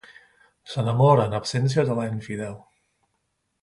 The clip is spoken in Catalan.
S'enamora en absència de la infidel.